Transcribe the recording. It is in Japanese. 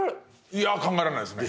いや考えられないですね。